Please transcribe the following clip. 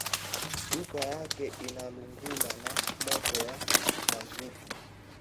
Duka yake inalungula na moto ya mazutu